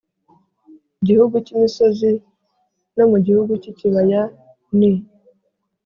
gihugu cy imisozi no mu gihugu cy ikibaya n i